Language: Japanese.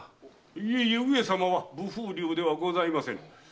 いえ上様は無風流ではございません。